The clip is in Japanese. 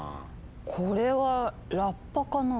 これはラッパかな？